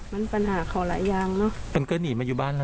มันปัญหาเข่าอยากเนาะ